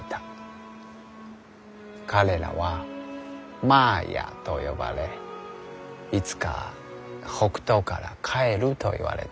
彼らはマーヤと呼ばれいつか北東から帰ると言われていた。